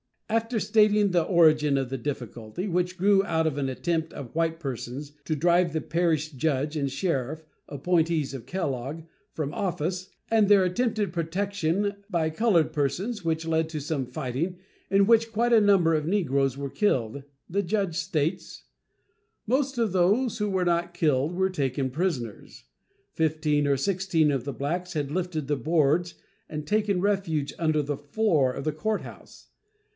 After stating the origin of the difficulty, which grew out of an attempt of white persons to drive the parish judge and sheriff, appointees of Kellogg, from office, and their attempted protection by colored persons, which led to some fighting, in which quite a number of negroes were killed, the judge states: Most of those who were not killed were taken prisoners. Fifteen or sixteen of the blacks had lifted the boards and taken refuge under the floor of the court house.